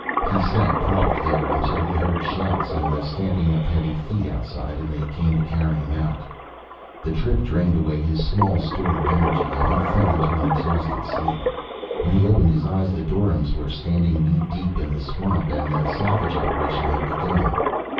He sat, propped there, until he heard shouts and the stamping of heavy feet outside, and they came to carry him out. The trip drained away his small store of energy, and he fell into an exhausted sleep. When he opened his eyes the doryms were standing knee deep in the swamp and the salvage operation had begun.